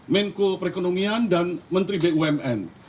menko perekonomian dan menteri bumn